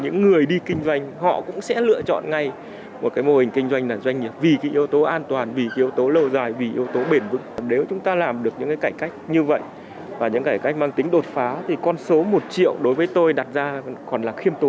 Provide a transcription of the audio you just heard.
như vậy và những cái cách mang tính đột phá thì con số một triệu đối với tôi đặt ra còn là khiêm tụ